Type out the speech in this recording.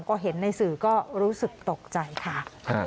ก็เห็นในสื่อก็รู้สึกตกใจค่ะ